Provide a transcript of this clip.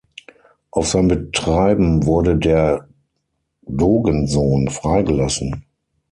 Auf sein Betreiben wurde der Dogensohn freigelassen.